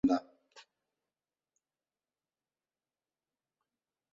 Eguraldi hezea dagoenean errazago agertzen da.